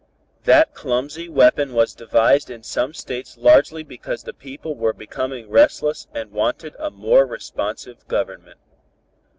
That clumsy weapon was devised in some States largely because the people were becoming restless and wanted a more responsive Government.